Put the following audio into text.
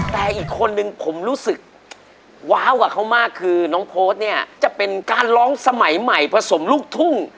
แต่อีกคนนึงผมรู้สึกว้าวกว่าเขามากคือน้องโพสต์เนี่ยจะเป็นการร้องสมัยใหม่ผสมลูกทุ่ง